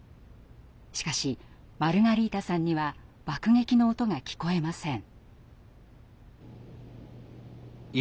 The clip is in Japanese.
しかしマルガリータさんには爆撃の音が聞こえません。